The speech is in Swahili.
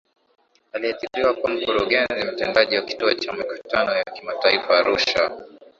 Aliajiriwa kuwa Mkurugenzi Mtendaji wa Kituo cha Mikutano ya Kimataifa Arusha